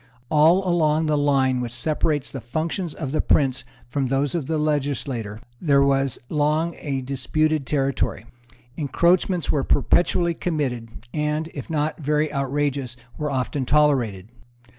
All along the line which separates the functions of the prince from those of the legislator there was long a disputed territory. Encroachments were perpetually committed, and, if not very outrageous, were often tolerated.